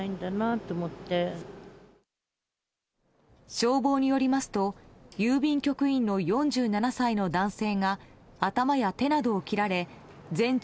消防によりますと郵便局員の４７歳の男性が頭や手などを切られ全治